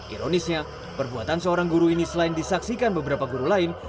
ironisnya perbuatan seorang guru ini selain disaksikan beberapa guru lain